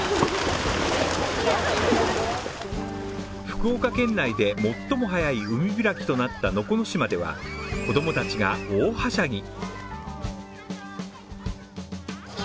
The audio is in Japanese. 福岡県内で最も早い海開きとなった能古島では子供たちが大はしゃぎ。